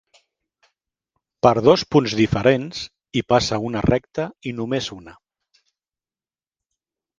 Per dos punts diferents hi passa una recta i només una.